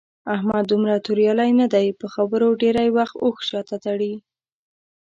احمد دومره توریالی نه دی. په خبرو کې ډېری وخت اوښ شاته تړي.